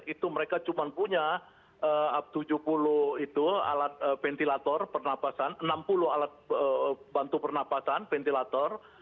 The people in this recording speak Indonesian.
itu mereka cuma punya tujuh puluh itu alat ventilator pernapasan enam puluh alat bantu pernafasan ventilator